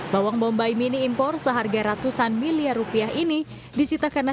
bawang bombay mini impor seharga ratusan miliar rupiah ini disita karena